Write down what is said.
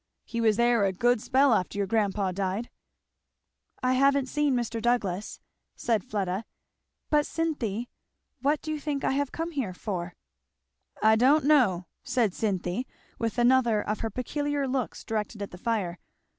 He was there a good spell after your grandpa died." "I haven't seen Mrs. Douglass," said Fleda. "But Cynthy, what do you think I have come here for?" "I don't know," said Cynthy, with another of her peculiar looks directed at the fire.